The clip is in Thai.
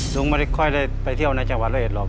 ลุงไม่ได้ค่อยได้ไปเที่ยวในจังหวัดระเอ็ดหรอก